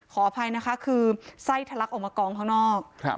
ขออภัยนะคะคือไส้ทะลักออกมากองข้างนอก